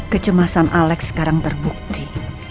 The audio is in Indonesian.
kecemasan alex sekarang terbukti